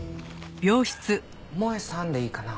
萌さんでいいかな？